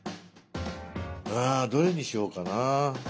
あどれにしようかな。